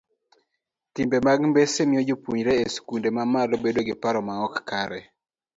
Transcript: tembe mag mbese miyo jopuonjre e skunde mamalo bedo gi paro maok kare